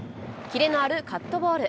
キレのあるカットボール。